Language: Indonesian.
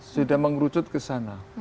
sudah mengerucut ke sana